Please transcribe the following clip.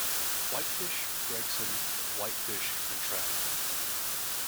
Whitefish, Gregson, whitefish and trout.